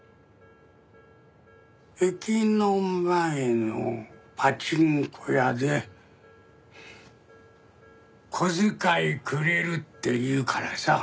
駅の前のパチンコ屋で小遣いくれるって言うからさ。